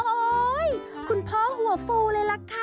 คุณพ่อหัวฟูเลยล่ะค่ะ